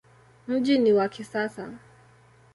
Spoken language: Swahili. Mji ni wa kisasa.